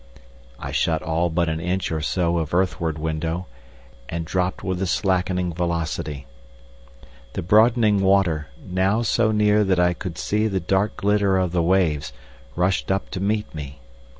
I shut all but an inch or so of earthward window, and dropped with a slackening velocity. The broadening water, now so near that I could see the dark glitter of the waves, rushed up to meet me.